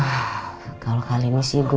kalau kali ini sih gue bener bener berharapkan